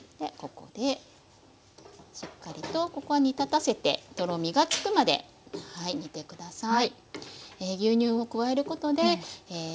ここでしっかりとここは煮立たせてとろみがつくまで煮て下さい。